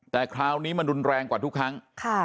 แต่คราวนี้มันรุนแรงกว่าทุกครั้ง